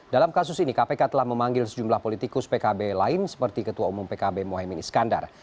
dalam kasus ini kpk telah memanggil sejumlah politikus pkb lain seperti ketua umum pkb mohaimin iskandar